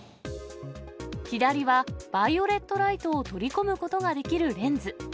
左はバイオレットライトを取り込むことができるレンズ。